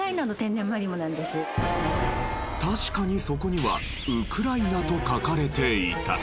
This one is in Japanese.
確かにそこには「ウクライナ」と書かれていた。